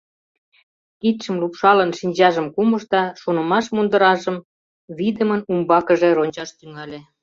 Кидшым лупшалын, шинчажым кумыш да шонымаш мундыражым вийдымын умбакыже рончаш тӱҥале.